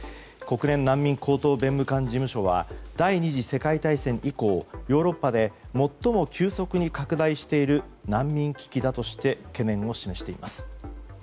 国連難民高等弁務官事務所は第２次世界大戦以降ヨーロッパで最も急速に拡大している難民危機だとして懸念を示しています。